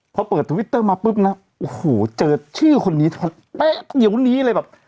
พอเปิดทวิตเตอร์มาปุ๊บนะโอ้โหเจอชื่อคนนี้เป๊ะเดี๋ยวนี้เลยแบบ